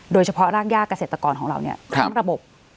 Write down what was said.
โดยเฉพาะร่างหญ้ากเกษตรกรของเราเนี่ยครั้งระบบ